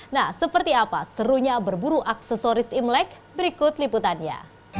nah seperti apa serunya berburu aksesoris imlek berikut liputannya